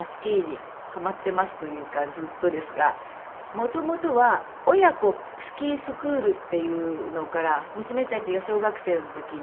元々は親子スキースクールっていうのから娘たちが小学生の時に。